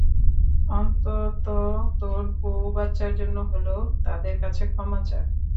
অন্তত তোর বউ বাচ্চার জন্য হলেও তাদের কাছে ক্ষমা চা।